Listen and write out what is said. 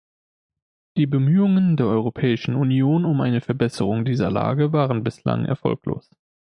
Die Bemühungen der Europäischen Union um eine Verbesserung dieser Lage waren bislang erfolglos.